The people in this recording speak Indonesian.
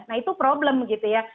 nah itu problem gitu ya